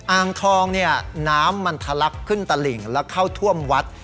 อ่างทองเนี่ยน้ำมันทะลักขึ้นตะหลิ่งแล้วเข้าท่วมวัด